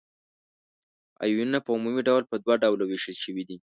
آیونونه په عمومي ډول په دوه ډلو ویشل شوي دي.